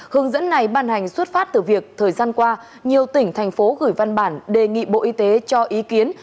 hướng dẫn này ban hành xuất phát từ việc thời gian qua nhiều tỉnh thành phố gửi văn bản đề nghị bộ y tế cho ý kiến